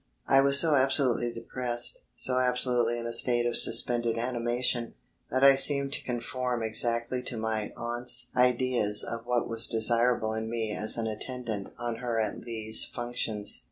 I was so absolutely depressed, so absolutely in a state of suspended animation, that I seemed to conform exactly to my aunt's ideas of what was desirable in me as an attendant on her at these functions.